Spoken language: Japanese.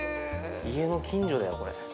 家の近所だよこれ。